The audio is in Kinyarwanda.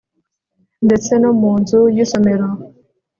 Ndetse no mu nzu yisomero